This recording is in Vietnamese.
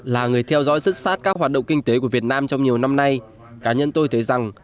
là người theo dõi sức sát các hoạt động kinh tế của việt nam trong nhiều năm nay cá nhân tôi thấy rằng